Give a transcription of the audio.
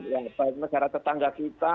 ya negara tetangga kita